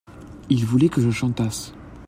il voulait que je chantasse.